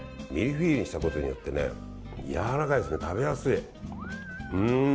ミルフィーユにしたことによってやわらかい、食べやすい。